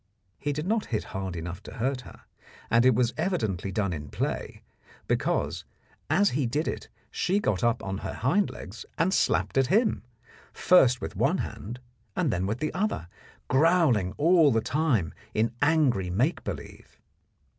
He did not hit hard enough to hurt her, and it was evidently done in play, because as he did it she got up on her hind legs and slapped at him, first with one hand and then with the other, growling all the time in angry make believe.